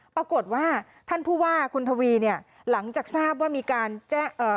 ปรากฏว่าท่านผู้ว่าคุณทวีเนี่ยหลังจากทราบว่ามีการแจ้งเอ่อ